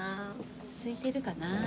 空いてるかな？